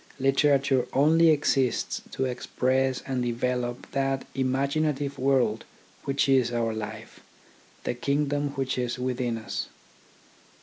Literature only exists to express and develop that imaginative world which is our life, the kingdom which is within us.